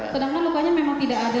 sedangkan lukanya memang tidak ada